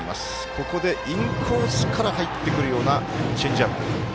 ここで、インコースから入ってくるようなチェンジアップ。